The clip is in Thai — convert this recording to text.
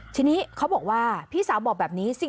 ทีนี้เขาบอกว่าพี่สาวบอกแบบนี้